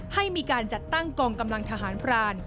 ให้มีการจัดตั้งกองกำลังทหารพราน